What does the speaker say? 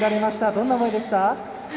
どんな思いでしたか。